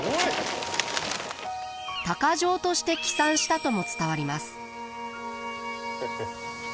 鷹匠として帰参したとも伝わります。